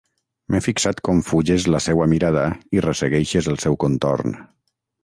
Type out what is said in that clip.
M'he fixat com fuges la seua mirada i ressegueixes el seu contorn.